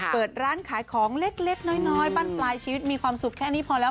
เปิดร้านขายของเล็กน้อยบ้านปลายชีวิตมีความสุขแค่นี้พอแล้ว